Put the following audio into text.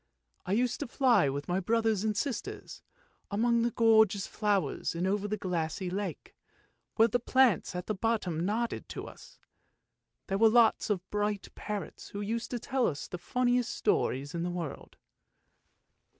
" I used to fly with my brothers and sisters, among gorgeous flowers and over the glassy lake, where the plants at the bottom nodded to us. There were lots of bright parrots, who used to tell us the funniest stories in the world."